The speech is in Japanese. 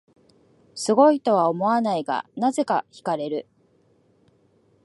すごいとは思わないが、なぜか惹かれる